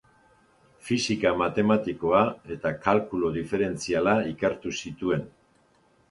Fisika matematikoa eta kalkulu diferentziala ikertu zituen.